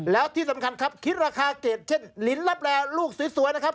แล้วที่สำคัญครับคิดราคาเกรดเช่นลินลับแลลูกสวยนะครับ